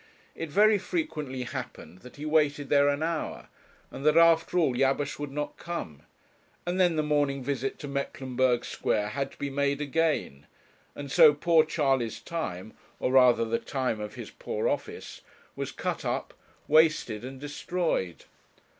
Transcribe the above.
It very frequently happened that he waited there an hour, and that after all Jabesh would not come; and then the morning visit to Mecklenburg Square had to be made again; and so poor Charley's time, or rather the time of his poor office, was cut up, wasted, and destroyed.